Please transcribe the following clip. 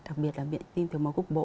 đặc biệt là bệnh tim thiếu máu cúc bộ